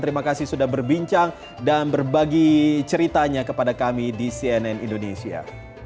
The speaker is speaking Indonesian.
terima kasih sudah berbincang dan berbagi ceritanya kepada kami di cnn indonesia